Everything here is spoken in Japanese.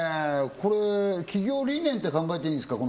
これ企業理念って考えていいんですか？